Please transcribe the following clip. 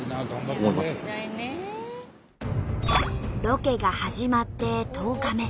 ロケが始まって１０日目。